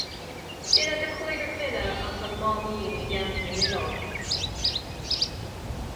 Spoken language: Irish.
Duine de chúigear clainne as an Máimín i gCeantar na nOileán.